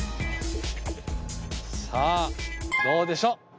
さあどうでしょう？